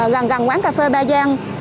gần gần quán cà phê ba giang